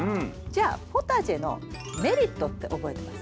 じゃあポタジェのメリットって覚えてます？